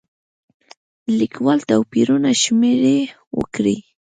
لیکوال توپیرونه شمېرې وکړي.